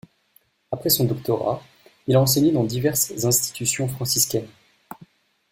Après son doctorat, il a enseigné dans diverses institutions franciscaines.